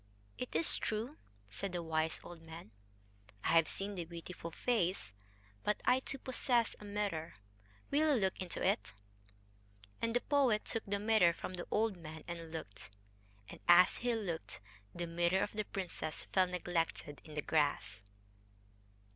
"It is true," said the wise old man. "I have seen the beautiful face ... but I too possess a mirror. Will you look into it?" And the poet took the mirror from the old man and looked; and, as he looked, the mirror of the princess fell neglected in the grass....